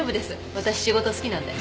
私仕事好きなので。